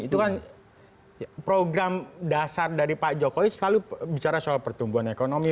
itu kan program dasar dari pak jokowi selalu bicara soal pertumbuhan ekonomi